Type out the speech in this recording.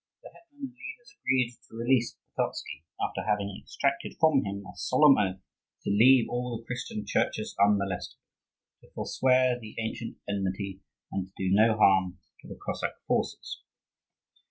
The hetman and leaders agreed to release Pototzky, after having extracted from him a solemn oath to leave all the Christian churches unmolested, to forswear the ancient enmity, and to do no harm to the Cossack forces.